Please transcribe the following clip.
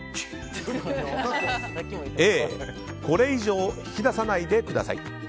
Ａ、これ以上引き出さないでください